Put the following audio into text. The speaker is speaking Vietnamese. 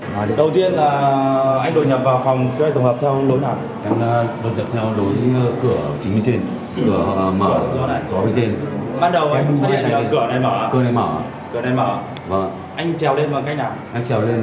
điện đầu tiên là anh đột nhập vào phòng kế hoạch tổng hợp theo đối đoạn